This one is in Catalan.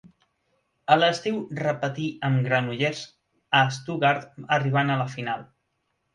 A l'estiu repetí amb Granollers a Stuttgart arribant a la final.